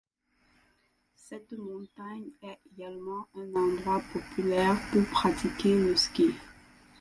Cette montagne est également un endroit populaire pour pratiquer le ski.